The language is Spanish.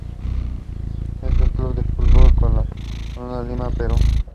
Es un club de futbol de la ciudad de Lima Perú.